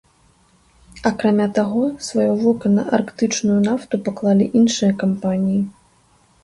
Акрамя таго, сваё вока на арктычную нафту паклалі іншыя кампаніі.